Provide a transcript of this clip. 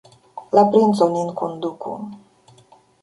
La princo nin konduku!